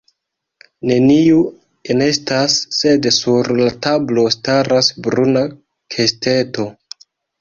Neniu enestas, sed sur la tablo staras bruna kesteto.